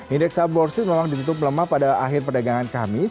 indeks subwarship memang ditutup lemah pada akhir perdagangan kamis